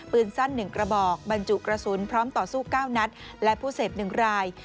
ปืนสั้น๑กระบอกบรรจุกระสุนพร้อมต่อสู้๙นัดและผู้เสพ๑ราย